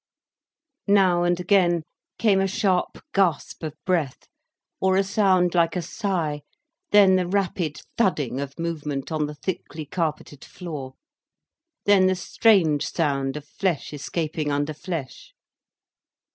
Now and again came a sharp gasp of breath, or a sound like a sigh, then the rapid thudding of movement on the thickly carpeted floor, then the strange sound of flesh escaping under flesh.